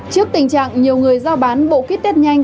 trước tình trạng nhiều người giao bán bộ kít tết nhanh